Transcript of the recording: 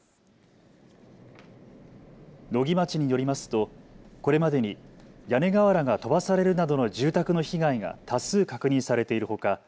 野木町によりますとこれまでに屋根瓦が飛ばされるなどの住宅の被害が多数、確認されているほか